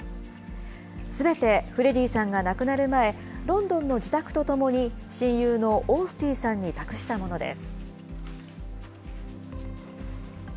すべてフレディさんが亡くなる前、ロンドンの自宅とともに、親友のオースティンさんに託したものです。